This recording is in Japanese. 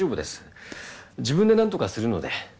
自分でなんとかするので。